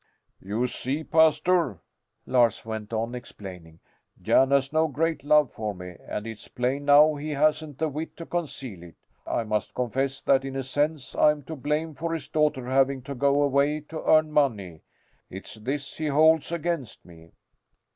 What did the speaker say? "You see, Pastor," Lars went on explaining, "Jan has no great love for me, and it's plain now he hasn't the wit to conceal it. I must confess that in a sense I'm to blame for his daughter having to go away to earn money. It's this he holds against me."